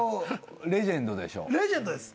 レジェンドです。